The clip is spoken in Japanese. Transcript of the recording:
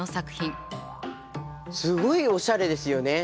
すごいおしゃれですよね。